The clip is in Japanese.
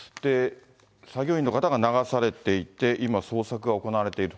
作業員の方が流されていて、今、捜索が行われている。